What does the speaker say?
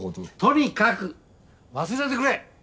とにかく忘れてくれ！